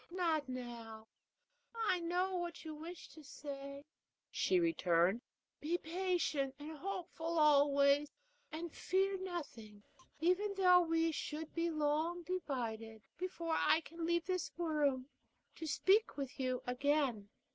"Not now; I know what you wish to say," she returned. "Be patient and hopeful always, and fear nothing, even though we should be long divided; for it will be many days before I can leave this room to speak with you again."